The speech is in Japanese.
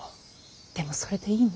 でもそれでいいの。